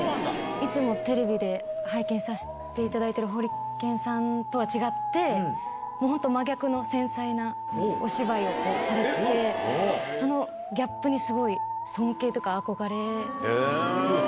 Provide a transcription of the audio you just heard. いつもテレビで拝見させていただいてるホリケンさんとは違って、もう本当真逆の繊細なお芝居をされて、そのギャップにすごい尊敬とか憧れです。